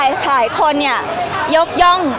พี่ตอบได้แค่นี้จริงค่ะ